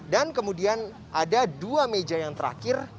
dan kemudian ada dua meja yang terakhir